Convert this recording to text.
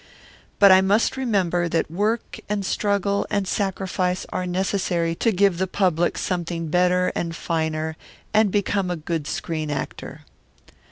But I must remember that work and struggle and sacrifice are necessary to give the public something better and finer and become a good screen actor.